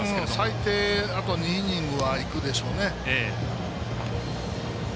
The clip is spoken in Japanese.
最低あと２イニングはいくでしょうね。